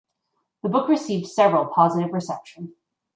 The book received several positive reception.